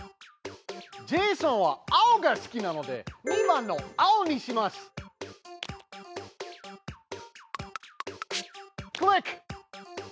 ジェイソンは青が好きなので２番の青にします！クリック！